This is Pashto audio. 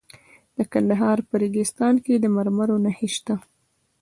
د کندهار په ریګستان کې د مرمرو نښې شته.